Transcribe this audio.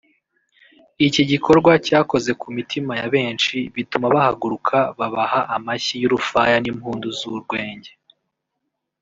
Iki gikorwa cyakoze ku mitima ya benshi bituma bahaguruka babaha amashyi y’urufaya n’impundu z’urwunge